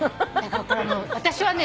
私はね